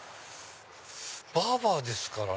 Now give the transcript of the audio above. バーバーですからね。